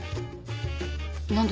何で？